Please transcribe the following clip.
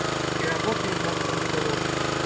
І работы ім надта не было.